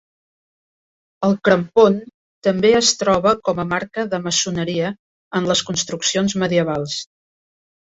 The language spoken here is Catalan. El crampon també es troba com a marca de maçoneria en les construccions medievals.